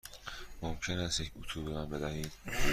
ممکن است یک اتو به من بدهید؟